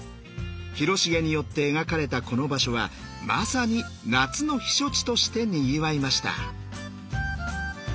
広重によって描かれたこの場所はまさに夏の避暑地としてにぎわいました。